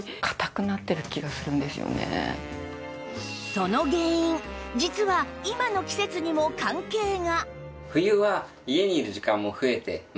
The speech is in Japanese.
その原因実は今の季節にも関係が